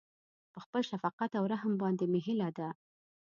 په خپل شفقت او رحم باندې مې هيله ده.